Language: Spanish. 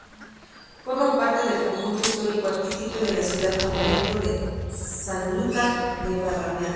Forma parte del Conjunto histórico-artístico y de la Ciudad-convento de Sanlúcar de Barrameda.